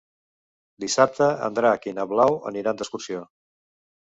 Dissabte en Drac i na Blau aniran d'excursió.